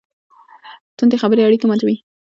توندې خبرې اړیکې ماتوي.